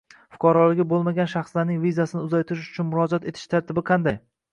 fuqaroligi bo‘lmagan shaxslarning vizasini uzaytirish uchun murojaat etish tartibi qanday?